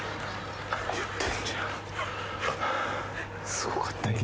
すごかった今。